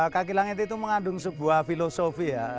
kaki langit itu mengandung sebuah filosofi ya